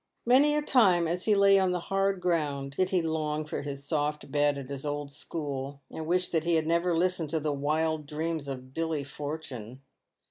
Many a time as he lay on the hard ground did he long for his soft bed at his old school, and wish that he had never listened to the wild dreams of Billy Fortune.